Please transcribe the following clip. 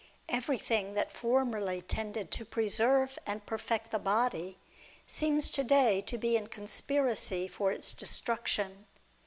Everything that formerly tended to preserve and per fect the body, seems to day to be in conspiracy for its destruction.